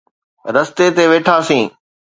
رستي تي ويٺاسين.